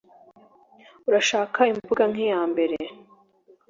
Urashaka imbuga nk'iyambere